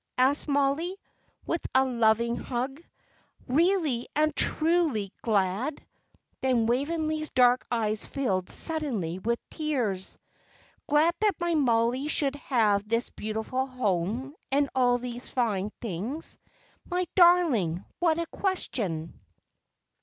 asked Mollie, with a loving hug, "really and truly glad?" Then Waveney's dark eyes filled suddenly with tears. "Glad that my Mollie should have this beautiful home, and all these fine things? My darling, what a question!